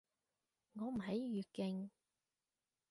我唔喺粵境